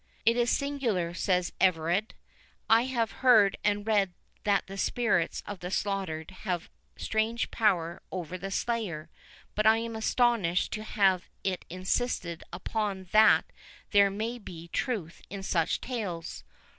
"It is singular," said Everard;—"I have heard and read that the spirits of the slaughtered have strange power over the slayer; but I am astonished to have it insisted upon that there may be truth in such tales.